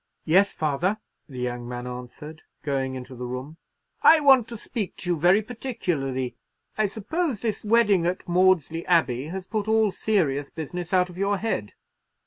"Yes, father," the young man answered, going into the room. "I want to speak to you very particularly. I suppose this wedding at Maudesley Abbey has put all serious business out of your head."